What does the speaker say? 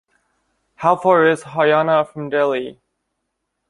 How far is Haryana from Delhi?